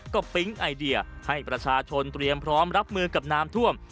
ก็ปิ๊งไอเดียให้ประชาชนเตรียมพร้อมรับมือกับน้ำท่วม